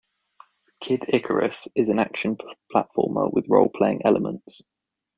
"Kid Icarus" is an action platformer with role-playing elements.